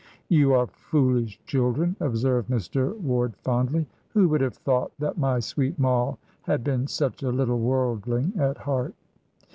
"You are foolish children," observed Mr. Ward, fondly. "Who would have thought that my sweet Moll had been such a little worldling at heart!"